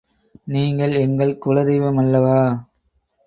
நீங்கள் எங்கள் குலதெய்வமல் லவா?